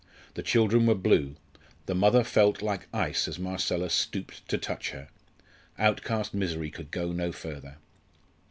The children were blue; the mother felt like ice as Marcella stooped to touch her. Outcast misery could go no further.